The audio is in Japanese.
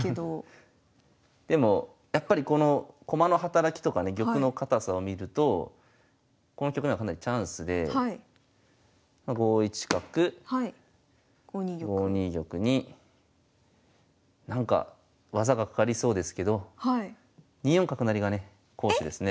でもやっぱりこの駒の働きとかね玉の堅さを見るとこの局面はかなりチャンスで５一角５二玉になんか技がかかりそうですけど２四角成がね好手ですね。